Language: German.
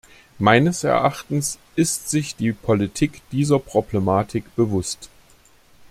Meines Erachtens ist sich die Politik dieser Problematik bewusst.